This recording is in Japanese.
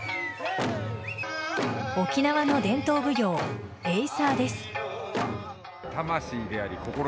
沖縄の伝統舞踊・エイサーです。